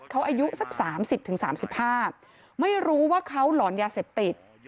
เขาอายุสัก๓๐๓๕ไม่รู้ว่าเขาหลอนยาเสพติด